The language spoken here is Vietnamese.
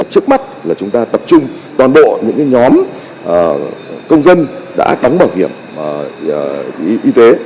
trước mắt là chúng ta tập trung toàn bộ những nhóm công dân đã đóng bảo hiểm y tế